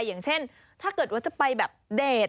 อย่างเช่นถ้าเกิดว่าจะไปแบบเดท